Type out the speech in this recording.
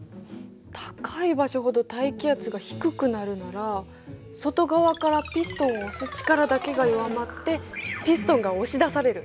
高い場所ほど大気圧が低くなるなら外側からピストンを押す力だけが弱まってピストンが押し出される。